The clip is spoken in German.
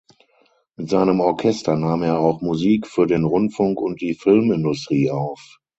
Mit seinem Orchester nahm er auch Musik für den Rundfunk und die Filmindustrie auf.